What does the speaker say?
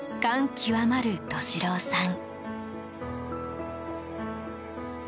極まる利郎さん。